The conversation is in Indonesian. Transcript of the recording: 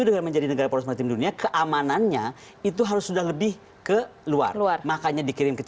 dengan menjadi negara poros maritim dunia keamanannya itu harus sudah lebih ke luar luar makanya dikirim ke